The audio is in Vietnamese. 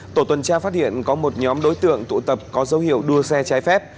tổ tuần tra phát hiện có một nhóm đối tượng tụ tập có dấu hiệu đua xe trái phép